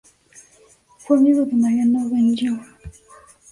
Fue amigo de Mariano Benlliure.